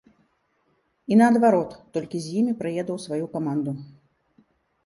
І наадварот, толькі з імі прыеду ў сваю каманду.